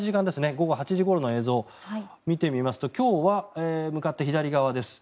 午後８時ごろの映像を見てみますと今日は向かって左側です。